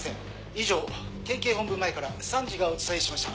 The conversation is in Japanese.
以上県警本部前から三治がお伝えしました。